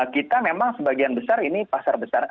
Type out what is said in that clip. kita memang sebagian besar ini pasar besar